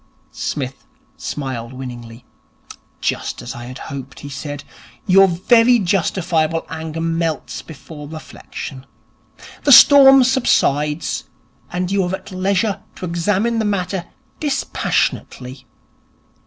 Psmith smiled winningly. 'Just as I had hoped,' he said. 'Your very justifiable anger melts before reflection. The storm subsides, and you are at leisure to examine the matter dispassionately.